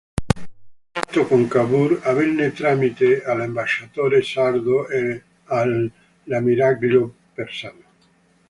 Il contatto con Cavour avvenne tramite l’ambasciatore Sardo e l’ammiraglio Persano.